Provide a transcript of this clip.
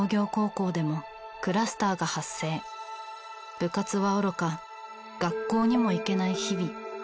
部活はおろか学校にも行けない日々。